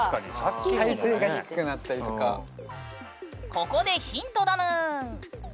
ここでヒントだぬん。